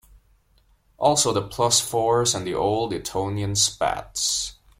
Also the plus fours and the Old Etonian spats.